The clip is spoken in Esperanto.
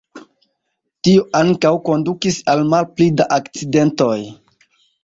Tio ankaŭ kondukis al malpli da akcidentoj.